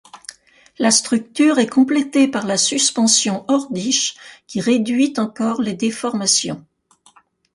La structure est complétée par la suspension Ordish, qui réduit encore les déformations.